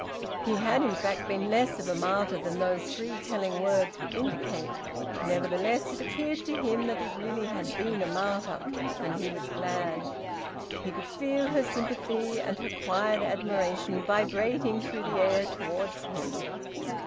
He had in fact been less of a martyr than those three telling words would indicate. Nevertheless it appeared to him that he really had been a martyr; and he was glad. He could feel her sympathy and her quiet admiration vibrating through the air towards him.